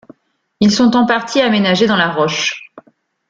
Ils sont en partie aménagés dans la roche.